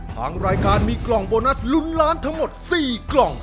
ทางรายการมีกล่องโบนัสลุ้นล้านทั้งหมด๔กล่อง